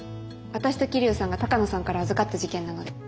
私と桐生さんが鷹野さんから預かった事件なので。